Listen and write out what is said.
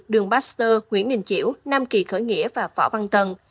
đường baxter nguyễn đình chiểu nam kỳ khởi nghĩa và phỏ văn tần